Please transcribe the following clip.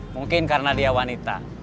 mungkin karena dia wanita